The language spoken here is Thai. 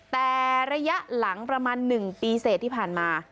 แต่ระยะหลังประมาณ๑ปีเสร็จที่ผ่านมา